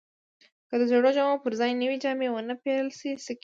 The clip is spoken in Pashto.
که د زړو جامو پر ځای نوې جامې ونه پیرل شي، څه کیږي؟